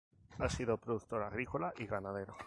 Ha sido productor agrícola y ganadero.